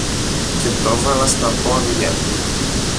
και το 'βαλα στα πόδια.